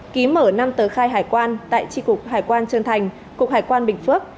ký mở năm tờ khai hải quan tại tri cục hải quan trân thành cục hải quan bình phước